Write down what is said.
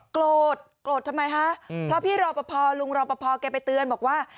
โกรธโกรธทำไมฮะเพราะพี่รอปภลุงรอปภแกไปเตือนบอกว่า